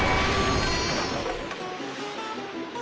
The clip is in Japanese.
あ！